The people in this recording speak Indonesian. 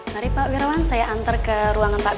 mari pak wirawan saya antar ke ruangan pak